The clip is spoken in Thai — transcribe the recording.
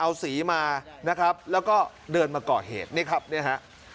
เอาสีมานะครับแล้วก็เดินมาก่อเหตุนี่ครับเนี่ยฮะ